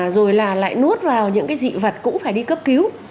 rồi là lại nuốt vào những cái dị vật cũng phải đi cấp cứu